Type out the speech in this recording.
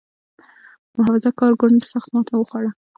محافظه کار ګوند سخته ماته وخوړه.